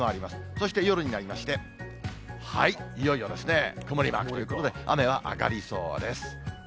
そして夜になりまして、はい、いよいよですね、曇りマークということで、雨は上がりそうです。